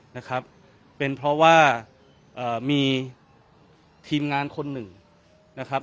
นะครับเป็นเพราะว่าเอ่อมีทีมงานคนหนึ่งนะครับ